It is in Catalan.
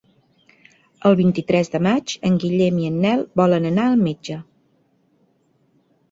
El vint-i-tres de maig en Guillem i en Nel volen anar al metge.